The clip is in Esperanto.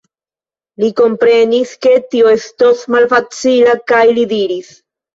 Li komprenis, ke tio estos malfacila kaj li diris: